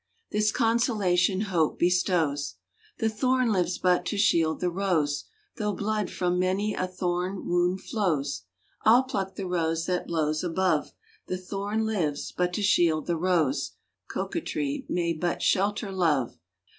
(This consolation Hope bestows). The thorn lives but to shield the rose; Though blood from many a thorn wound flows I'll pluck the rose that blows above— The thorn lives but to shield the rose, Coquetry may but shelter love!